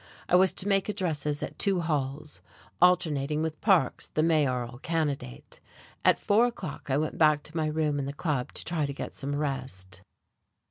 I was to make addresses at two halls, alternating with Parks, the mayoralty candidate. At four o'clock I went back to my room in the Club to try to get some rest....